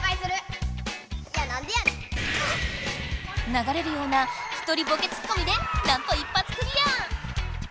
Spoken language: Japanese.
ながれるような１人ボケツッコミでなんと一発クリア！